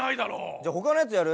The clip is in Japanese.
じゃあ他のやつやる？